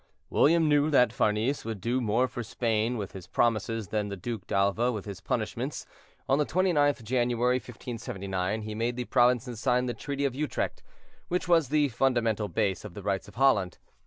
William knew that Farnese would do more for Spain with his promises than the Duc d'Alva with his punishments. On the 29th January, 1579, he made the provinces sign the Treaty of Utrecht, which was the fundamental base of the rights of Holland.